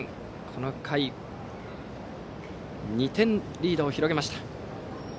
この回、２点リードを広げました。